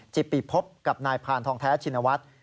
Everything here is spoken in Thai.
จิปิพบกับนายพานทองแท้ชินวัฒน์